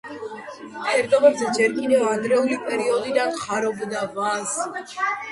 ფერდობებზე ჯერ კიდევ ადრეული პერიოდიდან ხარობდა ვაზი.